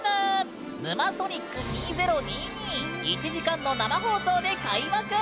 「ヌマーソニック２０２２」１時間の生放送で開幕！